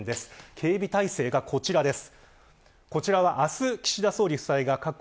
警備体制がこちらです。